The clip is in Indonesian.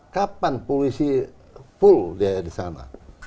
kapan polisi pul di sana